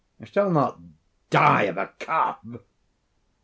I shall not die of a cough."